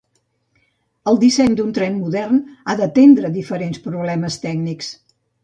El disseny d'un tren modern ha d'atendre diferents problemes tècnics.